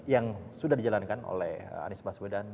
yang sudah dijalankan oleh anies baswedan